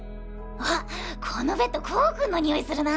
あっこのベッドコウ君のにおいするな。